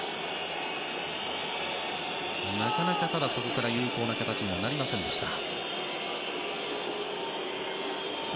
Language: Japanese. ただ、そこから有効な形にはなりませんでした。